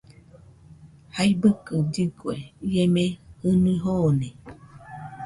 Jaikɨbe lligue, ie mei jɨnui joone.